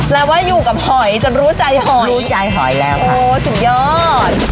แล้วว่าอยู่กับหอยจนรู้ใจหอยรู้ใจหอยแล้วโอ้โหสุดยอด